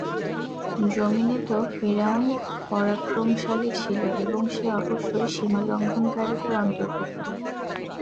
যমীনে তো ফিরআউন পরাক্রমশালী ছিল এবং সে অবশ্যই সীমালংঘনকারীদের অন্তর্ভুক্ত।